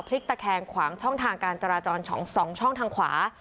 พลิกตะแคงขวางช่องทางการจราจรช่องสองช่องทางขวา